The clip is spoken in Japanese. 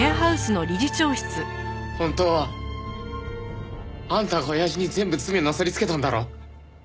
本当はあんたが親父に全部罪をなすりつけたんだろ？